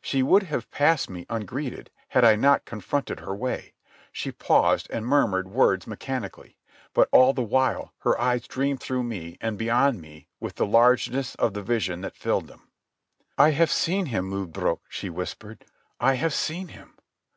She would have passed me ungreeted had I not confronted her way. She paused and murmured words mechanically, but all the while her eyes dreamed through me and beyond me with the largeness of the vision that filled them. "I have seen Him, Lodbrog," she whispered. "I have seen Him."